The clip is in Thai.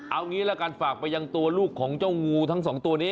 เอางี้ละกันฝากไปยังตัวลูกของเจ้างูทั้งสองตัวนี้